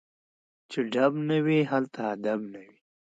متل دی: چې ډب نه وي هلته ادب نه وي.